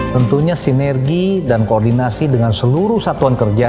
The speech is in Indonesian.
tentunya sinergi dan koordinasi dengan seluruh satuan kerja